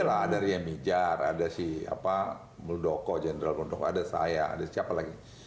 ada ria mijar ada si muldoko jenderal muldoko ada saya ada siapa lagi